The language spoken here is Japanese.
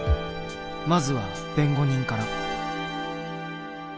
まずは弁護人から。